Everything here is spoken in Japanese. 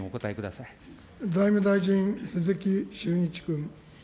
財務大臣、鈴木俊一君。